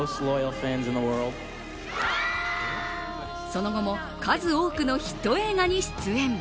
その後も数多くのヒット映画に出演。